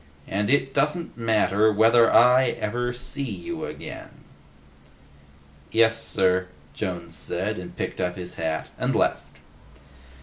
And, it doesn't matter whether I ever see you again!" "Yes, sir," Jones said, and picked up his hat and left.